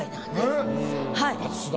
はい。